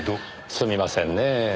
すみませんねぇ。